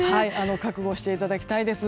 覚悟していただきたいです。